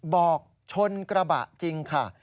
บอกชนกระบะจริงค่ะ